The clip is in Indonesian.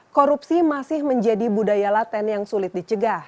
korupsi masih menjadi budaya laten yang sulit dicegah